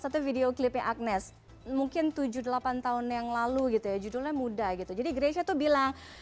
satu videoclip agnez mungkin tujuh puluh delapan tahun yang lalu gitu judulnya muda gitu jadi gresha tuh bilang